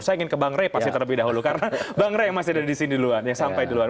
saya ingin ke bang rey pasti terlebih dahulu karena bang rey yang masih ada di sini duluan yang sampai di luar